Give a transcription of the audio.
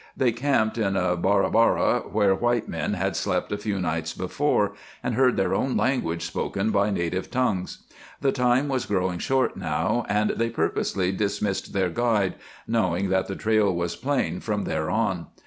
They camped in a barabara where white men had slept a few nights before, and heard their own language spoken by native tongues. The time was growing short now, and they purposely dismissed their guide, knowing that the trail was plain from there on.